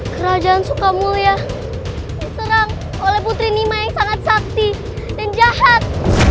kerajaan sukamulya diserang oleh putri nima yang sangat sakti dan jahat